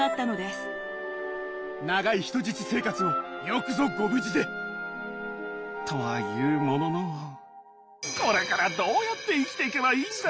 長い人質生活をよくぞご無事で！とは言うもののこれからどうやって生きていけばいいんだ！